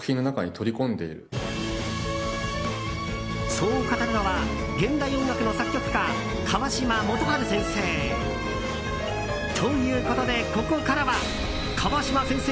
そう語るのは現代音楽の作曲家・川島素晴先生。ということで、ここからは川島先生